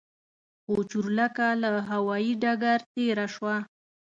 خو چورلکه له هوايي ډګر تېره شوه.